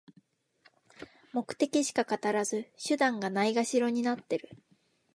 目的しか語らず、手段がないがしろになってる